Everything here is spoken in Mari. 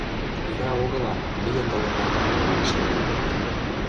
— Йӧра огыла, миен толына, — манеш Яндылетов.